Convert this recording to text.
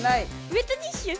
ウエットティッシュ？